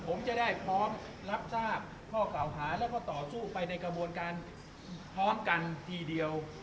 ผมจะได้พร้อมรับทราบข้อเก่าหาแล้วก็ต่อสู้ไปในกระบวนการพร้อมกันทีเดียว